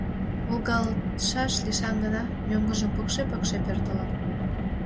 Волгалтшаш лишан гына мӧҥгыжӧ пыкше-пыкше пӧртылын.